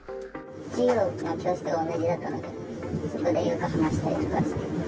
授業の教室が同じだったので、そこでよく話したりとかして。